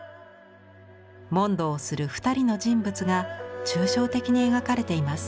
問答をする２人の人物が抽象的に描かれています。